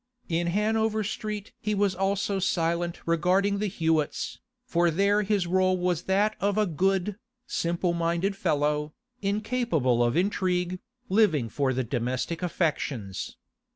In Hanover Street he was also silent regarding the Hewetts, for there his role was that of a good, simple minded fellow, incapable of intrigue, living for the domestic affections.